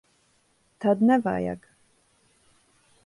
Tad nevajag.